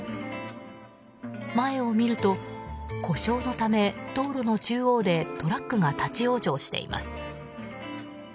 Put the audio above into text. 前を見ると故障のため、道路の中央でトラックが立ち往生しています。